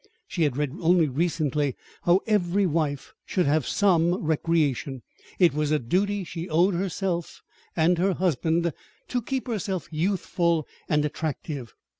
(She had read only recently how every wife should have some recreation; it was a duty she owed herself and her husband to keep herself youthful and attractive.)